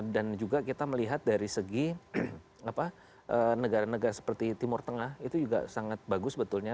dan juga kita melihat dari segi negara negara seperti timur tengah itu juga sangat bagus betulnya